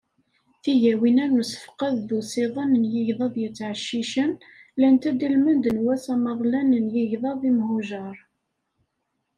Tigawin-a n usefqed d usiḍen n yigḍaḍ yettɛeccicen, llant-d i lmend n wass amaḍalan n yigḍaḍ imhujar.